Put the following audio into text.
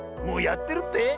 もうやってるって？